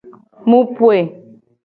Mu poe.